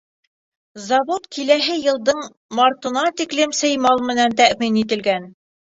Завод киләһе йылдың мартына тиклем сеймал менән тәьмин ителгән.